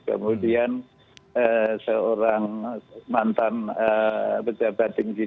kemudian seorang mantan berjabat tinggi kms